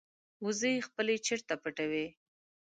وزې خپل چرته پټوي